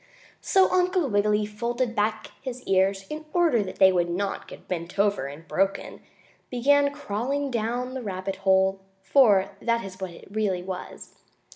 So Uncle Wiggily, folding back his ears in order that they would not get bent over and broken, began crawling down the rabbit hole, for that is what it really was.